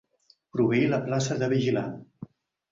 Proveir la plaça de vigilant.